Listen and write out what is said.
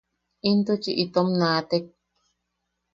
Intuchi itom naatek.